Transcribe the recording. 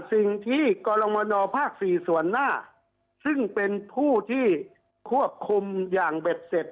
กรมนภาค๔ส่วนหน้าซึ่งเป็นผู้ที่ควบคุมอย่างเบ็ดเสร็จ